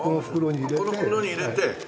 この袋に入れて。